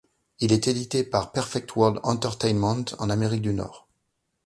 Il est édité par Perfect World Entertainment en Amérique du Nord.